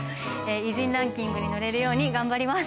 偉人ランキングに載れるように頑張ります。